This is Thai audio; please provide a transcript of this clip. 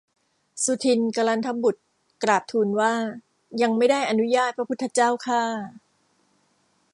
สุทินน์กลันทบุตรกราบทูลว่า ยังไม่ได้อนุญาต พระพุทธเจ้าข้า